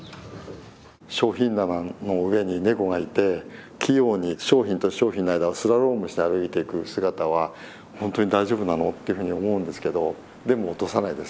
商品棚の上にネコがいて器用に商品と商品の間をスラロームして歩いていく姿は「本当に大丈夫なの？」っていうふうに思うんですけどでも落とさないです